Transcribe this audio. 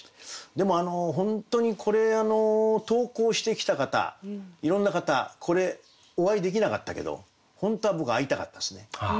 でも本当にこれ投稿してきた方いろんな方これお会いできなかったけど本当は僕会いたかったですね。